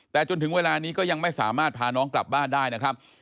แต่จนถึงเวลานี้ก็ยังไม่สามารถพาน้องกลับบ้านได้นะครับ